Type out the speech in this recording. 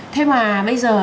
thế mà bây giờ